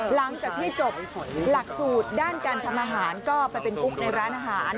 หลังจากที่จบหลักสูตรด้านการทำอาหารก็ไปเป็นกุ๊กในร้านอาหาร